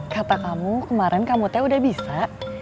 kata kamu kemarin kamu teo udah bisa